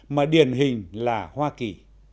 mà điển hình là hoa kỳ